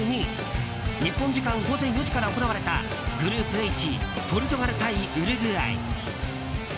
日本時間午前４時から行われたグループＨポルトガル対ウルグアイ。